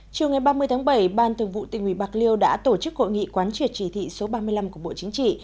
chiều ngày ba mươi tháng bảy ban thường vụ tỉnh ủy bạc liêu đã tổ chức hội nghị quán triệt chỉ thị số ba mươi năm của bộ chính trị